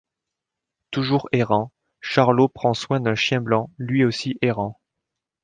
Toujours errant, Charlot prend soin d'un chien blanc, lui aussi errant.